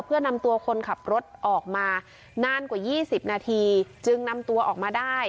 เพื่อนำตัวคนขับรถออกมานานกว่า๒๐นาทีจึงนำตัวออกมาได้